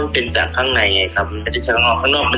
เป็นนี่ไงคะเป็นข้างใน